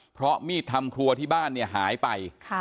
เพราะมีดทำครัวที่บ้านเนี่ยหายไป